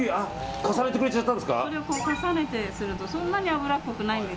重ねてするとそんなに脂っこくないんです。